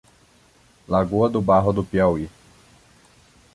Lagoa do Barro do Piauí